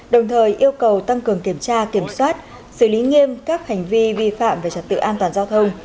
đồng thời yêu cầu tăng cường kiểm tra kiểm soát xử lý nghiêm các hành vi vi phạm về trật tự an toàn giao thông